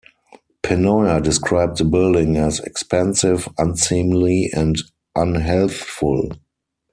Pennoyer described the building as expensive, unseemly and unhealthful.